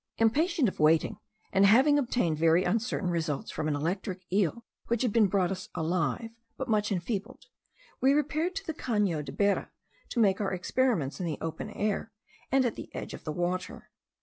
Impatient of waiting, and having obtained very uncertain results from an electric eel which had been brought to us alive, but much enfeebled, we repaired to the Cano de Bera, to make our experiments in the open air, and at the edge of the water.